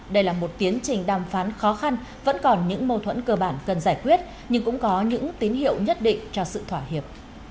đây là một tiến trình đàm phán khó khăn vẫn còn những mâu thuẫn cơ bản cần giải quyết nhưng cũng có những tín hiệu nhất định cho sự thỏa hiệp